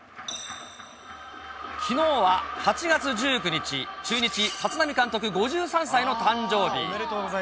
きのうは８月１９日、中日、立浪監督、５３歳の誕生日。